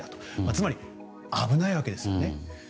つまり、危ないわけですよね。